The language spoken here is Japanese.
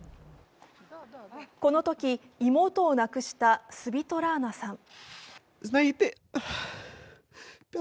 このとき妹を亡くしたスビトラーナさん。